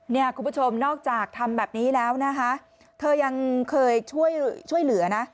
เนี่ยคุณผู้ชมนอกจากทำแบบนี้แล้วนะคะเธอยังเคยช่วยเหลือนะ